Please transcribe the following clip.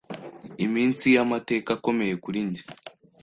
Iminsi y’amateka akomeye kurinjye